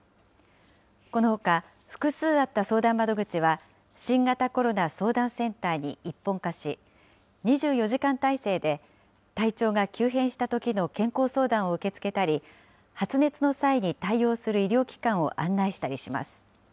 このほか、複数あった相談窓口は、新型コロナ相談センターに一本化し、２４時間態勢で体調が急変したときの健康相談を受け付けたり、発熱の際に対応する医療機関を案内したりします。